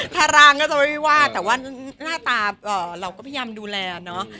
ถ้าร่างก็จะไม่ว่าแต่ว่าหน้าตาเราก็พยายามดูแลเนอะ